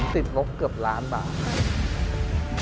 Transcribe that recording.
ติดมคเกือบล้านบาท